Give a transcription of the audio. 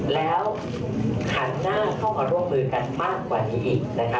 แล้วหันหน้าเข้ามาร่วมมือกันมากกว่านี้อีกนะคะ